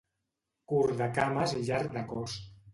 Curt de cames i llarg de cos.